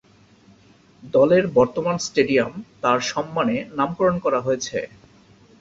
দলের বর্তমান স্টেডিয়াম তার সম্মানে নামকরণ করা হয়েছে।